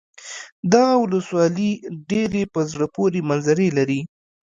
دغه ولسوالي ډېرې په زړه پورې منظرې لري.